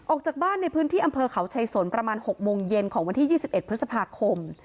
ออกจากบ้านในพื้นที่อำเภอเขาชัยสนประมาณ๖โมงเย็นของวันที่๒๑พฤษภาคม